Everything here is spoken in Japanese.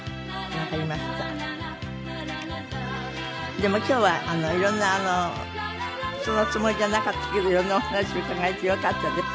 でも今日は色んなそのつもりじゃなかったけど色んなお話伺えてよかったです。